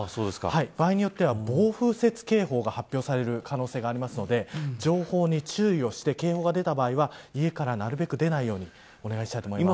場合によっては暴風雪警報が発表される可能性があるので情報に注意をして警報が出た場合は、家からなるべく出ないようにお願いします。